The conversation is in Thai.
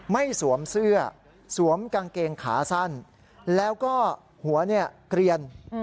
สวมเสื้อสวมกางเกงขาสั้นแล้วก็หัวเนี่ยเกลียน